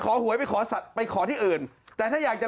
คือเป็นหนังฟ้า